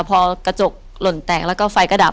อยู่ที่แม่ศรีวิรัยิลครับ